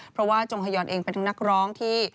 เพราะว่าจงฮยอนเองเป็นทั้งนักร้องที่